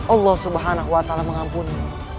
allah subhanahu wa ta'ala mengampuni